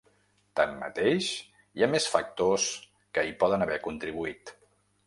Tanmateix, hi ha més factors que hi poden haver contribuït.